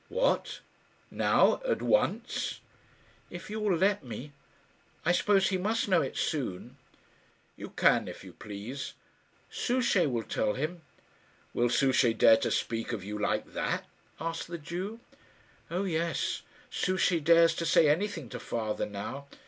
"What! now, at once?" "If you will let me. I suppose he must know it soon." "You can if you please." "Souchey will tell him." "Will Souchey dare to speak of you like that?" asked the Jew. "Oh, yes; Souchey dares to say anything to father now.